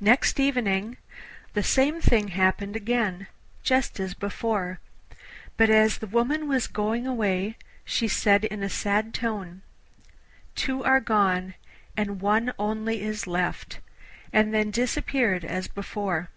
Next evening the same thing happened again, just as before, but as the woman was going away she said in a sad tone, 'Two are gone, and one only is left,' and then disappeared as before.